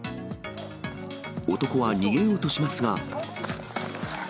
男は逃げようとしますが。